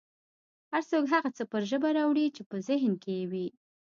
هر څوک هغه څه پر ژبه راوړي چې په ذهن کې یې وي